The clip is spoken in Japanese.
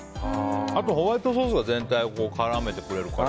あとホワイトソースが全体を絡めてくれるから。